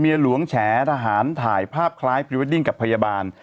หลวงแฉทหารถ่ายภาพคล้ายพรีเวดดิ้งกับพยาบาล